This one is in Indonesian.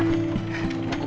kita bantu dulu